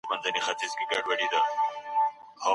هیڅکله مه وایئ چې زه یې نه شم کولای.